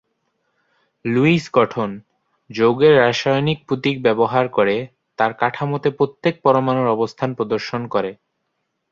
Luis গঠন; যোগের রাসায়নিক প্রতীক ব্যবহার করে তার কাঠামোতে প্রত্যেক পরমাণুর অবস্থান প্রদর্শন করে।